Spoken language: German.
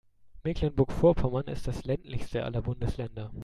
Mecklenburg-Vorpommern ist das ländlichste aller Bundesländer.